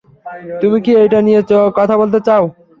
তুমি কি এইটা নিয়ে কথা বলতে চাও?